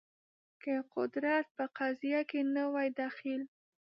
که قدرت په قضیه کې نه وای دخیل